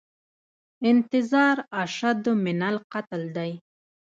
انتظار اشد من القتل دی